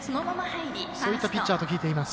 そういったピッチャーと聞いています。